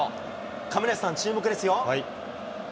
亀梨さん、注目ですよ。